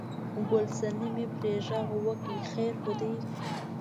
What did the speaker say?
ګل صنمې پرې غږ وکړ: خیر خو دی؟